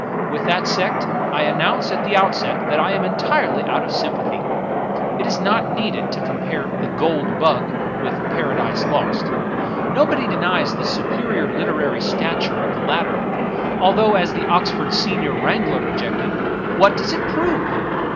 With that sect, I announce at the outset that I am entirely out of sympathy. It is not needed to compare " The Gold Bug " with " Paradise Lost "; no body denies the superior Uterary stature of the latter, al though, as the Oxford Senior Wrangler objected, " What does it prove